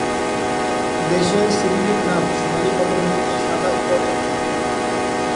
দেশের সিরিলিক নাম সোনালি পটভূমিতে সাদা উপরে।